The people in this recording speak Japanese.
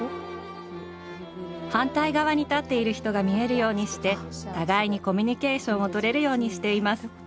反対側に立っている人が見えるようにして互いにコミュニケーションを取れるようにしています。